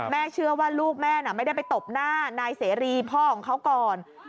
เชื่อว่าลูกแม่น่ะไม่ได้ไปตบหน้านายเสรีพ่อของเขาก่อน